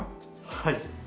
はい。